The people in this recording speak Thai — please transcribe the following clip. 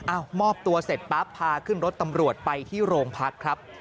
มอบตัวเสร็จปั๊บพาขึ้นรถตำรวจไปที่โรงพักครับ